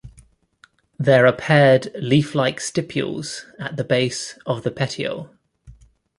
There are paired leaf-like stipules at the base of the petiole.